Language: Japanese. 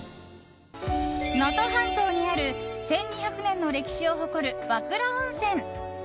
能登半島にある１２００年の歴史を誇る和倉温泉。